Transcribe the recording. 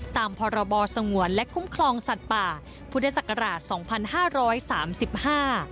ตามพรบสงวนและคุ้มครองสัตว์ป่าพุทธศักราช๒๕๓๕